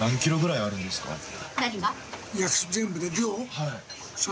はい。